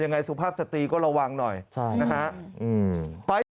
สุภาพสตรีก็ระวังหน่อยนะฮะ